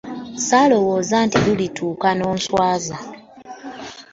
Ssaalowooza nti lulituuka n'onswaza.